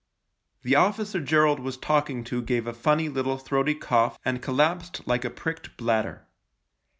The officer Gerald was talking to gave a funny little throaty cough and collapsed like a pricked bladder.